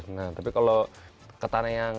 nah tapi kalau ketan yang